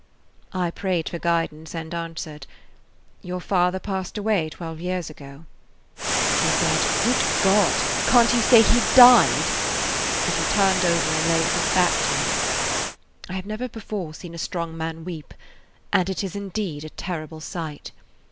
I prayed for guidance, and answered, "Your father passed away twelve years ago." He said, "Good God! can't you say he died," and he turned over and lay with his back to me. I have never before seen a strong man weep, and it is indeed a terrible sight.